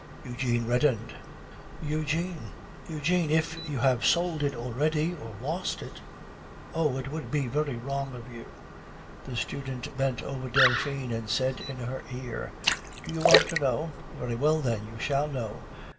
Eugene reddened. "Eugene, Eugene! if you have sold it already or lost it.... Oh! it would be very wrong of you!" The student bent over Delphine and said in her ear, "Do you want to know? Very well, then, you shall know.